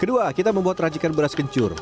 kedua kita membuat racikan beras kencur